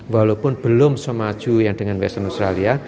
walaupun belum semaju yang dengan western australia